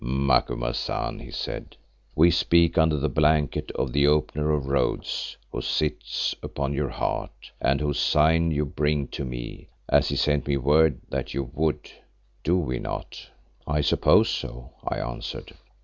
"Macumazahn," he said, "we speak under the blanket of the Opener of Roads who sits upon your heart, and whose sign you bring to me, as he sent me word that you would, do we not?" "I suppose so," I answered.